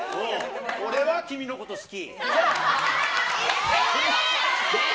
俺は君のこと好き。